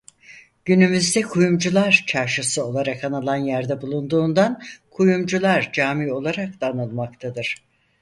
Günümüzde Kuyumcular Çarşısı olarak anılan yerde bulunduğundan Kuyumcular Camii olarak da anılmaktadır.